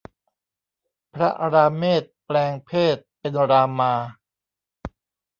พระราเมศแปลงเพศเป็นรามา